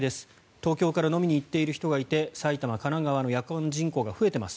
東京から飲みに行っている人がいて埼玉、神奈川の夜間人口が増えています。